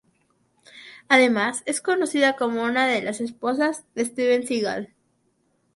Además, es conocida como una de las esposas de Steven Seagal.